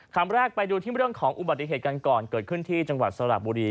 คำแรกไปดูที่เรื่องของอุบัติเหตุกันก่อนเกิดขึ้นที่จังหวัดสระบุรี